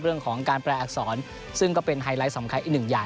เรื่องของการแปลอักษรซึ่งก็เป็นไฮไลท์สำคัญอีกหนึ่งอย่าง